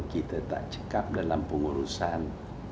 kita tak cekap dalam pengurusan